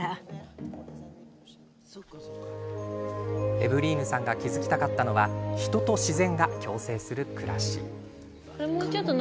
エヴリーヌさんが築きたかったのは人と自然が共生する暮らし。